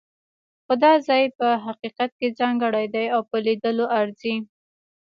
خو دا ځای په حقیقت کې ځانګړی دی او په لیدلو ارزي.